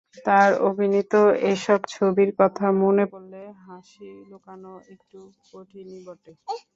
তাঁর অভিনীত এসব ছবির কথা মনে পড়লে হাসি লুকোনো একটু কঠিনই বটে।